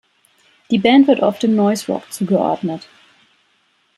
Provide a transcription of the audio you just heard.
Die Band wird oft dem Noise-Rock zugeordnet.